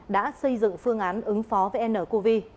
đã xây dựng phương án ứng phó với ncov